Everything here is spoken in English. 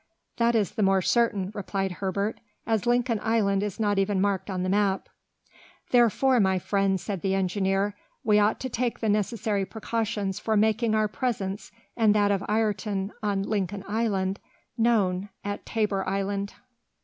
"That is the more certain," replied Herbert, "as Lincoln Island is not even marked on the map." "Therefore, my friends," said the engineer, "we ought to take the necessary precautions for making our presence, and that of Ayrton on Lincoln Island known at Tabor Island."